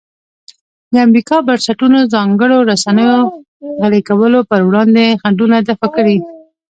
د امریکا بنسټونو ځانګړنو رسنیو غلي کولو پر وړاندې خنډونه دفع کړي.